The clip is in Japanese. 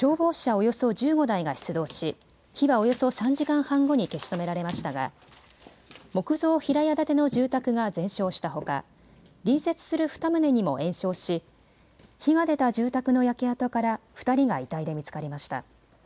およそ１５台が出動し火はおよそ３時間半後に消し止められましたが木造平屋建ての住宅が全焼したほか、隣接する２棟にも延焼し火が出た住宅の焼け跡から２人が遺体で見つかりました。